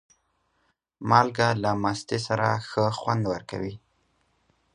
مالګه له مستې سره ښه خوند ورکوي.